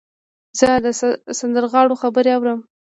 زه د سندرغاړو خبرې اورم.